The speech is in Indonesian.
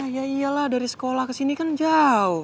ya iyalah dari sekolah kesini kan jauh